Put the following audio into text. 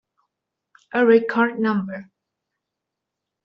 A record number.